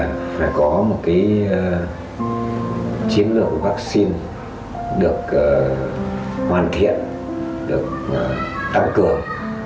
tôi nghĩ là trước hết là phải có một cái chiến lược của vắc xin được hoàn thiện được tăng cường